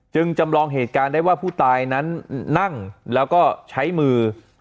จำลองเหตุการณ์ได้ว่าผู้ตายนั้นนั่งแล้วก็ใช้มือ